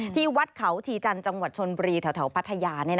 ที่วัดเขาชีจันทร์จังหวัดชนบุรีแถวพัทยา